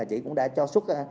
chỉ cũng đã cho xuất